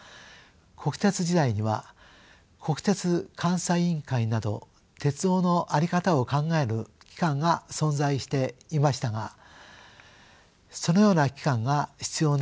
国鉄時代には国鉄監査委員会など鉄道の在り方を考える機関が存在していましたがそのような機関が必要なのかもしれません。